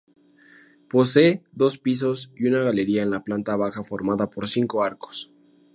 Posee dos pisos y una galería en la planta baja formada por cinco arcos.